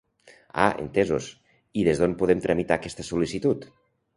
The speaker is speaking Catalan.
Ah entesos, i des d'on podem tramitar aquesta sol·licitud?